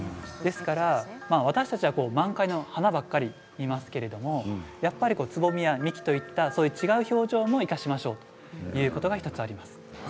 私たちは満開の花ばかり見ますけれどやっぱり、つぼみや幹といった違う表情も生かしましょうということが１つあります。